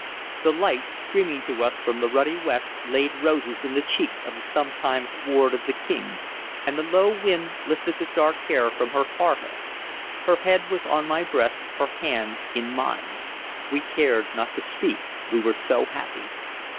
The light streaming to us from the ruddy west laid roses in the cheeks of the sometime ward of the King, and the low wind lifted the dark hair from her forehead. Her head was on my breast, her hand in mine; we cared not to speak, we were so happy.